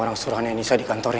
orang suruhannya nisa dikantor